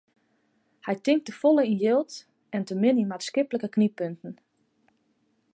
Hy tinkt te folle yn jild en te min yn maatskiplike knyppunten.